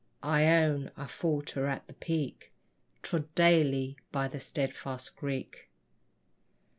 I own I falter at the peak Trod daily by the steadfast Greek.